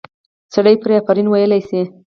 سړی پرې آفرین ویلی شي.